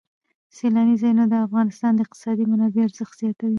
سیلانی ځایونه د افغانستان د اقتصادي منابعو ارزښت زیاتوي.